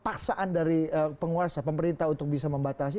paksaan dari penguasa pemerintah untuk bisa membatasi